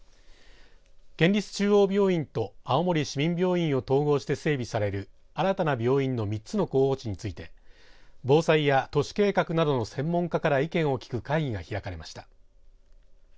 県立中央病院と青森市民病院を統合して整備される新たな病院の３つの候補地について防災や都市計画などの専門家から意見を聞く会議が開かれました。